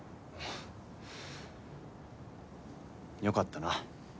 よかったな。